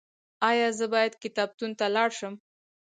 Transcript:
ایا زه باید کتابتون ته لاړ شم؟